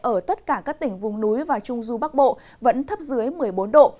ở tất cả các tỉnh vùng núi và trung du bắc bộ vẫn thấp dưới một mươi bốn độ